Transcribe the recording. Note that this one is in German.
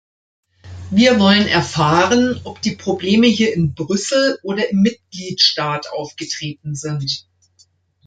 Wir wollen erfahren, ob die Probleme hier in Brüssel oder im Mitgliedstaat aufgetreten sind.